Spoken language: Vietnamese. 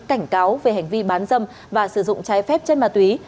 cảnh cáo về hành vi bán dâm và sử dụng trái phép chất ma túy